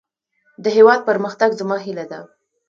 د هيواد پرمختګ زما هيله ده.